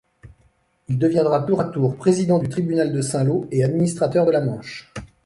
Il deviendra tour-à-tour, président du Tribunal de Saint-Lô et administrateur de la Manche.